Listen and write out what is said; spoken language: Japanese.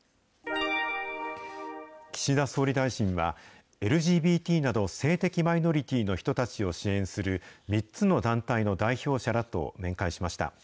岸田総理大臣は、ＬＧＢＴなど性的マイノリティーの人たちを支援する３つの団体の代表者らと面会しました。